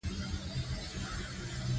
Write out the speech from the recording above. افغانستان د لمریز ځواک له پلوه متنوع دی.